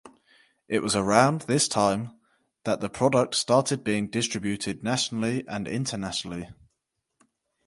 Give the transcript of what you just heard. It was around this time that the product started being distributed nationally and internationally.